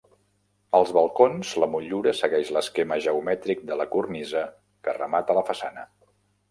Als balcons la motllura segueix l'esquema geomètric de la cornisa que remata la façana.